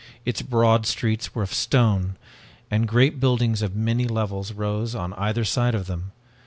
Its broad streets were of stone and great buildings of many levels rose on either side of them.